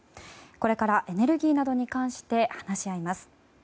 これからエネルギーなどに関して話し合います。